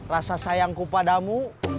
rasa sayangku padamu